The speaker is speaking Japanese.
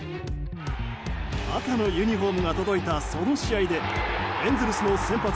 赤のユニホームが届いたその試合でエンゼルスの先発